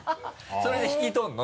それで引き取るの？